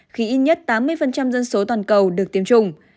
khi ít nhất tám mươi dân số toàn cầu được tiêm chủng